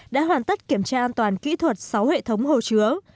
đã hoàn tất kiểm tra an toàn kỹ thuật sáu hệ thống hồ chứa